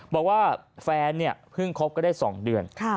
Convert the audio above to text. บอกว่าแฟนเพิ่งครบก็ได้๒เดือน